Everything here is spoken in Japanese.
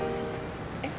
えっ？